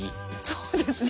そうですね。